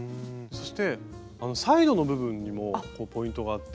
そしてサイドの部分にもポイントがあって。